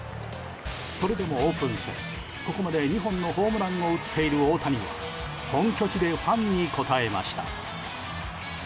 それでもオープン戦、ここまで２本のホームランを放っている大谷は、本拠地でファンに応えました。